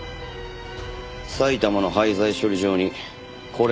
埼玉の廃材処理場にこれが捨てられてた。